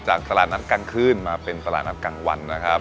ตลาดนัดกลางคืนมาเป็นตลาดนัดกลางวันนะครับ